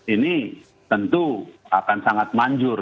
ini tentu akan sangat manjur